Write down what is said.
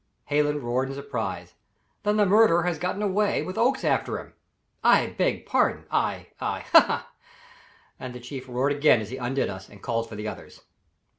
Hallen roared in surprise. "Then the murderer has gotten away, with Oakes after him. I beg pardon I I ha, ha!" and then the Chief roared again as he undid us and called for the others.